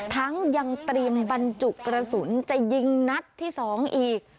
ทั้งยังเตรียมบรรจุกระสุนจะยิงนัดที่๒อีก